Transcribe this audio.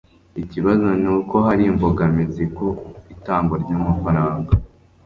ikibazo ni uko hari imbogamizi ku itangwa rya amafaranga